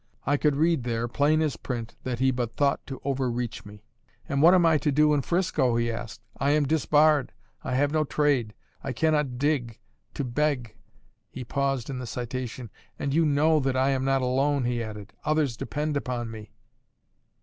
I could read there, plain as print, that he but thought to overreach me. "And what am I to do in 'Frisco?" he asked. "I am disbarred, I have no trade, I cannot dig, to beg " he paused in the citation. "And you know that I am not alone," he added, "others depend upon me."